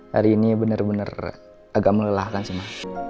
hari ini bener bener agak melelah kan sih ma